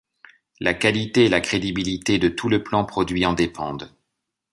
La qualité et la crédibilité de tout le plan produit en dépendent.